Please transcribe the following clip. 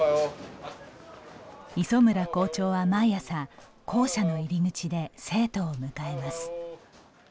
磯村校長は毎朝校舎の入り口で生徒を迎えます。